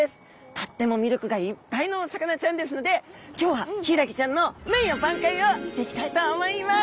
とっても魅力がいっぱいのお魚ちゃんですので今日はヒイラギちゃんの名誉挽回をしていきたいと思います！